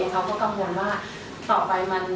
เขาก็กังวลว่าต่อไปมัน